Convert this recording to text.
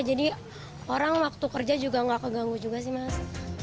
jadi orang waktu kerja juga nggak keganggu juga sih mas